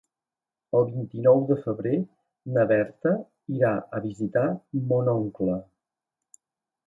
El vint-i-nou de febrer na Berta irà a visitar mon oncle.